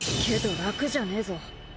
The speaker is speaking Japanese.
けど楽じゃねえぞ。